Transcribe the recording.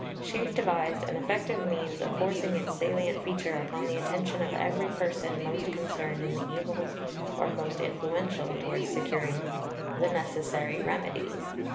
She devised an effective means of forcing its salient feature upon the attention of every person most concerned in the evils or most influential towards securing the necessary remedies.